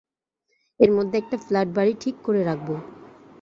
এর মধ্যে একটা ফ্ল্যাট-বাড়ি ঠিক করে রাখব।